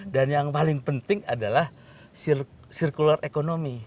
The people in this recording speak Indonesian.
dan yang paling penting adalah circular economy